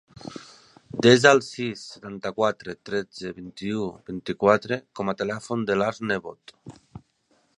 Desa el sis, setanta-quatre, tretze, vint-i-u, vint-i-quatre com a telèfon de l'Arç Nebot.